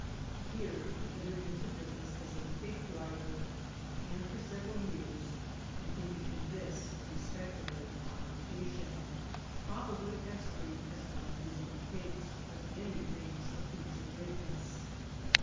Here he otiter * ed into bmuieM as a pig driver, and for several yean eontimied in this respectable ocenpation, probably as free as one of his own pigs from any dreams of fntnre greatness.